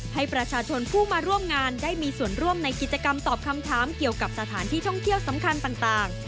ให้ประชาชนผู้มาร่วมงานได้มีส่วนร่วมในกิจกรรมตอบคำถามเกี่ยวกับสถานที่ท่องเที่ยวสำคัญต่าง